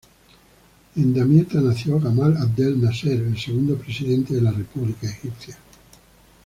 En Damieta nació Gamal Abdel Nasser, el segundo presidente de la república egipcia.